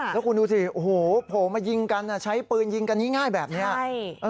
แล้วคุณดูสิโอ้โหโผล่มายิงกันใช้ปืนยิงกันง่ายแบบนี้